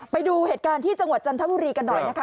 ไปดูเหตุการณ์ที่จังหวัดจันทบุรีกันหน่อยนะคะ